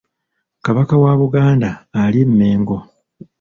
Kabaka wa Buganda ali eMengo.